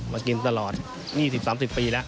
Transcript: มากินตลอด๒๐๓๐ปีแล้ว